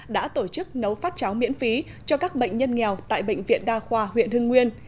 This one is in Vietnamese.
đã tổ chức nấu phát cháo miễn phí cho các bệnh nhân nghèo tại bệnh viện đa khoa huyện hưng nguyên